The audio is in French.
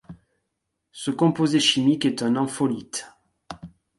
Ce composé chimique est un ampholyte.